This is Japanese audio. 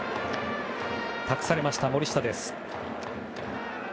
託されました、森下です。